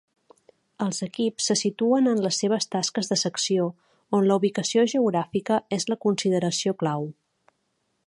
Els equips se situen en les seves tasques de secció on la ubicació geogràfica és la consideració clau.